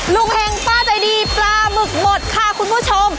เห็งป้าใจดีปลาหมึกหมดค่ะคุณผู้ชม